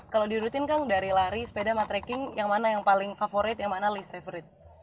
kalau di rutin kang dari lari sepeda sama trekking yang mana yang paling favorite yang mana least favorite